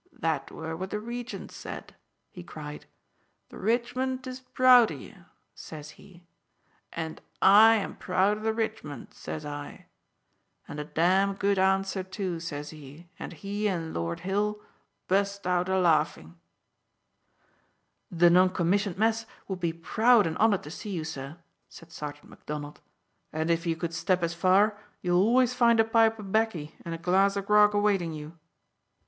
"That were what the Regent said," he cried. "'The ridgment is proud of ye,' says he. 'And I am proud of the ridgment,' says I. 'And a damned good answer too,' says he, and he and Lord Hill bu'st out a laughin'." "The non commissioned mess would be proud and honoured to see you, sir," said Sergeant Macdonald; "and if you could step as far you'll always find a pipe o' baccy and a glass o' grog a waitin' you."